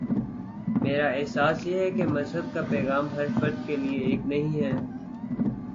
میرا احساس یہ ہے کہ مذہب کا پیغام ہر فرد کے لیے ایک نہیں ہے۔